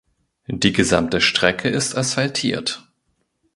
Die gesamte Strecke ist asphaltiert.